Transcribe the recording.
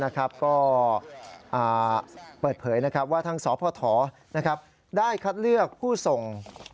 ก็เปิดเผยว่าทางสพได้คัดเลือกผู้ส่ง